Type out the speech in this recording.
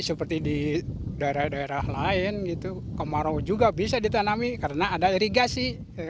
seperti di daerah daerah lain kemarau juga bisa ditanami karena ada irigasi